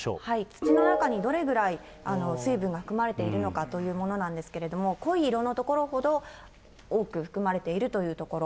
土の中にどれぐらい水分が含まれているのかというものなんですけど、濃い色の所ほど多く含まれているという所。